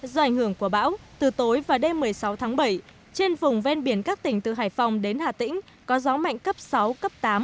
do ảnh hưởng của bão từ tối và đêm một mươi sáu tháng bảy trên vùng ven biển các tỉnh từ hải phòng đến hà tĩnh có gió mạnh cấp sáu cấp tám